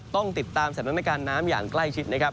ต้องติดตามสถานการณ์น้ำอย่างใกล้ชิดนะครับ